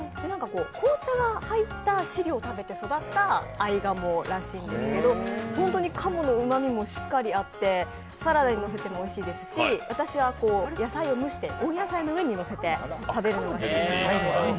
紅茶が入った飼料を食べて育った合鴨らしいんですけど鴨のうまみもしっかりあってサラダにのせてもおいしいですし、私は野菜を蒸して、温野菜の上にのせて食べるんです。